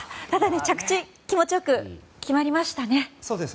ただ、着地気持ち良く決まりましたね。